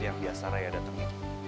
yang biasa raya datengin